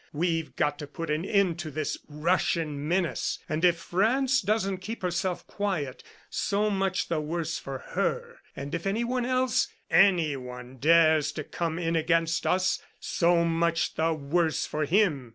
We've got to put an end to this Russian menace! And if France doesn't keep herself quiet, so much the worse for her! ... And if anyone else ... ANYONE dares to come in against us, so much the worse for him!